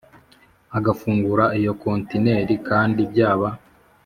agafungura iyo kontineri kandi byaba